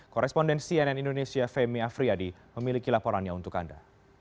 korespondensi nn indonesia femi afriyadi memiliki laporannya untuk anda